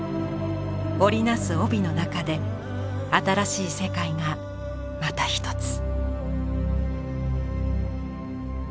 織り成す帯の中で新しい世界がまた一つ。